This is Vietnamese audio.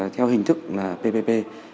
theo hình thức ppp